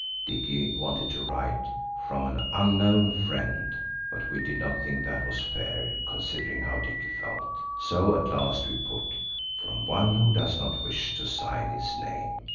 Dicky wanted to write–"From an unknown friend," but we did not think that was fair, considering how Dicky felt. So at last we put–"From one who does not wish to sign his name."